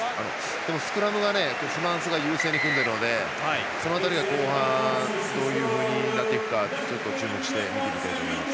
でもスクラムはフランスが優勢ですので、その辺りは後半どういうふうになっていくか見ていきたいと思います。